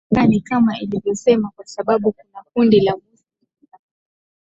sasa marekani kama ilivyosema kwa sababu kuna kundi la muslim sasa